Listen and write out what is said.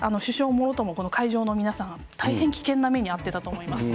もろとも会場の皆さん、大変危険な目に遭っていたと思います。